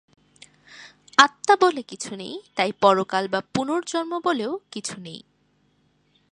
আত্মা বলে কিছু নেই; তাই পরকাল বা পুনর্জন্ম বলেও কিছু নেই।